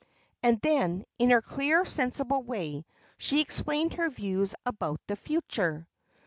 And then, in her clear, sensible way, she explained her views about the future.